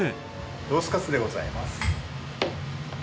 ロースかつでございます。